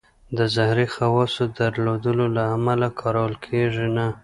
د زهري خواصو درلودلو له امله کارول کېږي نه.